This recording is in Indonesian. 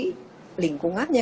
dan untuk memproteksi lingkungannya